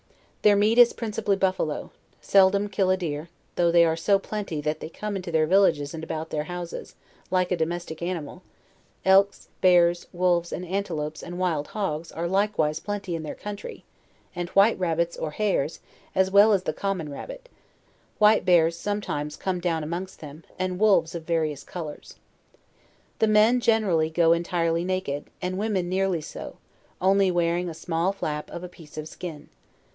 Their meat is principally buffalo; seldom kill a deer, though they are so plenty that they come into their villages, and about their houses, like a domestic animal; elks, bears, wolves, antelopes and wild hogs are likewise plenty in their cunntry, and white rabbits, or hares, as well as the common rabbit: white bears sometimes come down amongst them, and wolves of various colours. The men gen erally go entirely naked, and women nearly so, only wearing" a srnaJl flap of a piece of a skin.